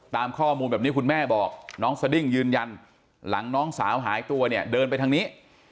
ตามข้อมูลแบบนี้คุณแม่บอกน้องสดิ้งยืนยันหลังน้องสาวหายตัวเนี่ยเดินไปทางนี้